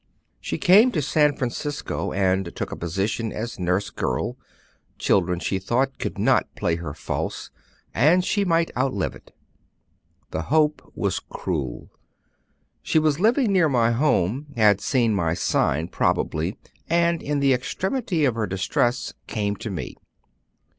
She came to San Francisco and took a position as nurse girl; children, she thought, could not play her false, and she might outlive it. The hope was cruel. She was living near my home, had seen my sign probably, and in the extremity of her distress came to me.